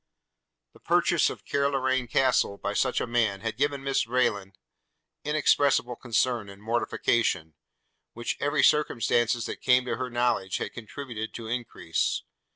The purchase of Carloraine Castle by such a man had given Mrs Rayland inexpressible concern and mortification, which every circumstance that came to her knowledge had contributed to increase.